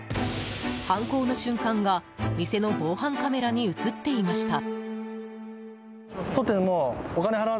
犯行の瞬間が店の防犯カメラに映っていました。